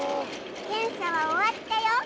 検査は終わったよ。